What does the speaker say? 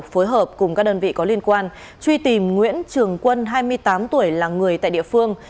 phối hợp cùng các đơn vị có liên quan truy tìm nguyễn trường quân hai mươi tám tuổi là người tại địa phương